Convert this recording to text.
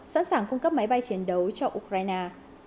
sẵn sàng cung cấp máy bay chiến đấu cho ukraine